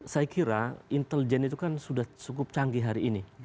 saya kira intelijen itu kan sudah cukup canggih hari ini